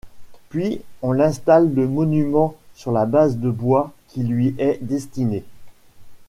Puis, on installe le monument sur la base de bois qui lui est destinée.